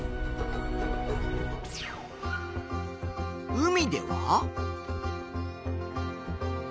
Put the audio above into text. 海では。